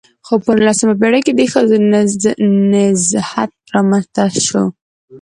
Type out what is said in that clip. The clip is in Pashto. خو په نولسمه پېړۍ کې د ښځو نضهت رامنځته شو .